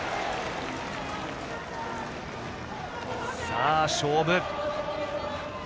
さあ、勝負。